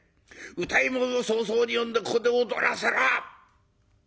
歌右衛門を早々に呼んでここで踊らせろ！」。